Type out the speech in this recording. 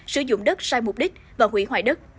sử dụng đất sai mục đích và hủy hoại đất